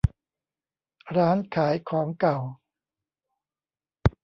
ร้านขายของเก่า